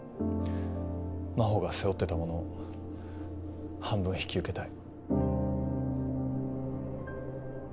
真帆が背負ってたものを半分引き受けたい。